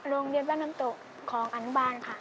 โรงเรียนบ้านน้ำตกของอนุบาลค่ะ